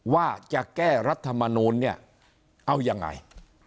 ว่าจะแก้รัฐมนูลเนี่ยเอายังไง